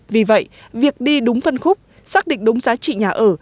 vì vậy việc đi đúng phân khúc xác định đúng giá trị nhà ở